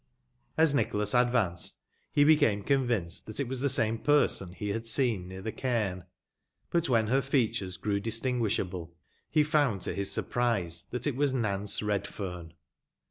As Nicbolas advanced, be became convinced tbat it was tbe same person be bad seen near tbe cadm; but, wben ber features grew distinguisbable, be found to bis surprise tbat it was Nance Eedfeme.